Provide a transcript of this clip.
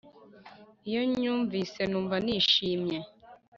Iyo nyumvise numva nishimye